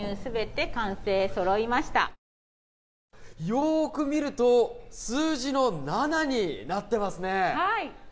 よく見ると数字の７になっていますね。